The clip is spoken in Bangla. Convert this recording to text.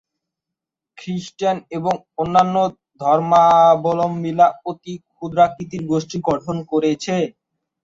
খ্রিস্টান এবং অন্যান্য ধর্মাবলম্বীরা অতি ক্ষুদ্রাকৃতির গোষ্ঠী গঠন করেছে।